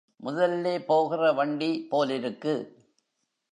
முதல்லே போகிற வண்டி போலிருக்கு.